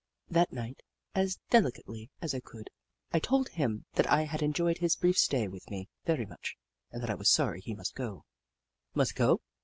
That night, as delicately as I could, I told him that I had enjoyed his brief stay with me very much and that I was sorry he must go " Mus' go?"